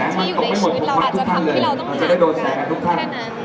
ที่อยู่ในชีวิตเราอาจจะทำให้เราต้องห่างกันแค่นั้น